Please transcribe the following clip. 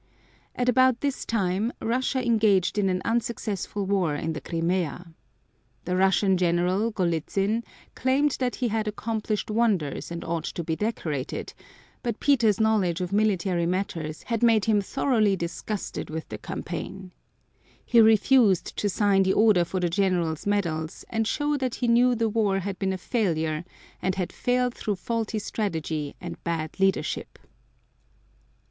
At about this time Russia engaged in an unsuccessful war in the Crimea. The Russian General, Golitzyn, claimed that he had accomplished wonders and ought to be decorated, but Peter's knowledge of military matters had made him thoroughly disgusted with the campaign. He refused to sign the order for the General's medals, and showed that he knew the war had been a failure and had failed through faulty strategy and bad leadership.